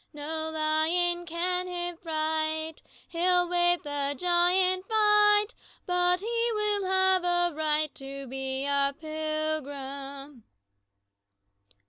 No lion can him fright; He'll with a giant fight, But he will have a right To be a pilgrim.